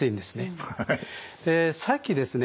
えさっきですね